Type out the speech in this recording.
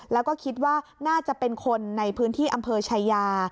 แล้วก็คิดว่าน่าจะเป็นคนในพื้นที่อำเภอชายา